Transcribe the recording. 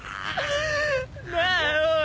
なあおい